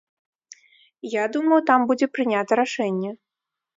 Я думаю, там будзе прынята рашэнне.